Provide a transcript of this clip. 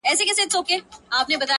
غلطۍ کي مي د خپل حسن بازار مات کړی دی!!